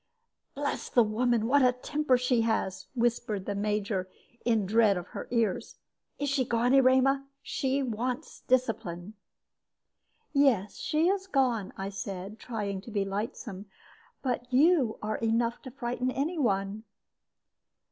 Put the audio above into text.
"Bless the woman, what a temper she has!" whispered the Major, in dread of her ears. "Is she gone, Erema? She wants discipline." "Yes, she is gone," I said, trying to be lightsome; "but you are enough to frighten any one."